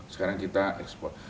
sekarang kita ekspor